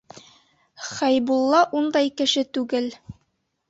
Хәйбулла ундай кеше түгел.